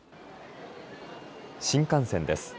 新幹線です。